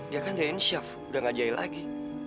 dia kan jadinya siap udah ngajarin lagi